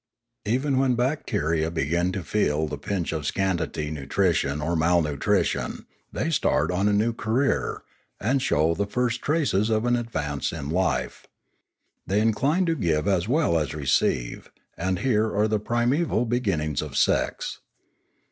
Even when bacteria begin to feel the pinch of scanty nutrition or malnutrition, they start on a new career, and show the first traces of an advance in life. They incline to give as well as receive, and here are the primeval beginnings of sex.